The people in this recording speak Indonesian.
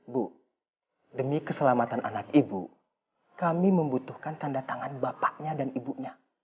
bu demi keselamatan anak ibu kami membutuhkan tanda tangan bapaknya dan ibunya